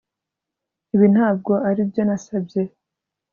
Ibi ntabwo aribyo nasabye